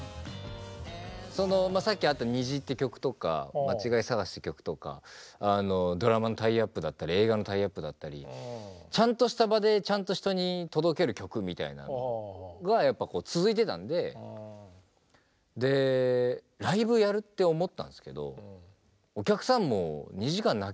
さっきあった「虹」って曲とか「まちがいさがし」って曲とかドラマのタイアップだったり映画のタイアップだったりちゃんとした場でちゃんと人に届ける曲みたいなのがやっぱこう続いてたんでライブやるって思ったんですけどお客さんも２時間泣きっぱもしんどいと。